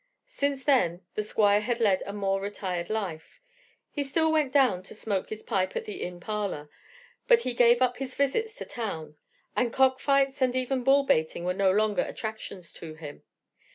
Since then the Squire had led a more retired life; he still went down to smoke his pipe at the inn parlor, but he gave up his visits to town; and cock fights, and even bull baiting, were no longer attractions to him.